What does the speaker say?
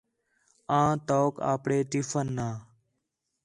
آں تَوک آپݨے ٹفن آ